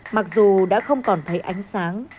mặc dù đã không còn thấy ánh sáng